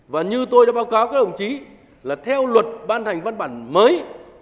và như tôi đã báo cáo các đồng chí là theo luật ban hành văn bản mới